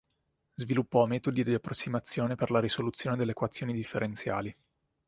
Sviluppò metodi di approssimazione per la risoluzione delle equazioni differenziali.